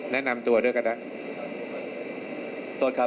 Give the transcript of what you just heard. แนะนำตัวกันนะ